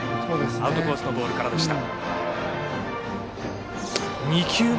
アウトコースからのボールでした。